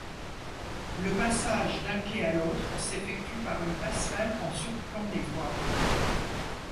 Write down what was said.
Le passage d'un quai à l'autre s'effectue par une passerelle en surplomb des voies.